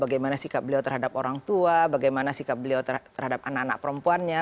bagaimana sikap beliau terhadap orang tua bagaimana sikap beliau terhadap anak anak perempuannya